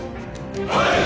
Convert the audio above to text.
はい！